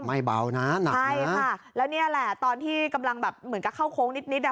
ไม่เบานานอ่ะใช่ค่ะแล้วนี่แหละตอนที่กำลังแบบเหมือนกับเข้าโค้งนิดนิดอ่ะ